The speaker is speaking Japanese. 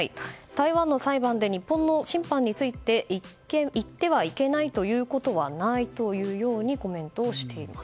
台湾の裁判で日本の審判について言ってはいけないということはないというようにコメントをしています。